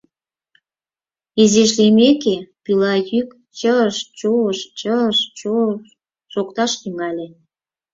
Изиш лиймеке, пила йӱк чыж-чож, чыж-чож шокташ тӱҥале.